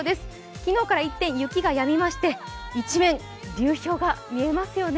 昨日から一転、雪がやみまして一面、流氷が見えますよね。